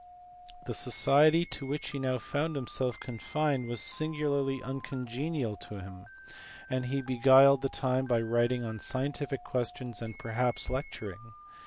The society to which he now found himself confined was singularly uncongenial to him, and he beguiled the time by writing on scientific questions and perhaps lecturing.